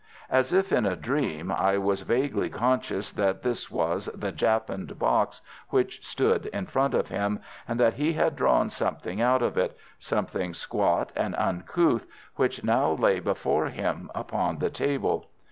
As if in a dream I was vaguely conscious that this was the japanned box which stood in front of him, and that he had drawn something out of it, something squat and uncouth, which now lay before him upon the table.